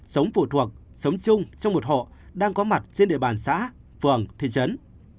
sống phụ thuộc sống chung trong một hộ đang có mặt trên địa bàn xã phường thị trấn